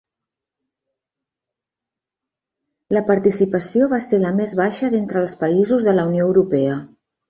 La participació va ser la més baixa d'entre els països de la Unió Europea.